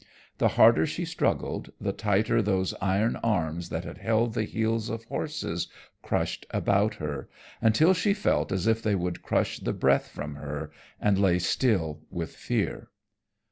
The harder she struggled the tighter those iron arms that had held the heels of horses crushed about her, until she felt as if they would crush the breath from her, and lay still with fear.